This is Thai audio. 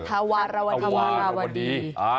ทวารวดี